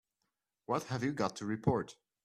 What have you got to report?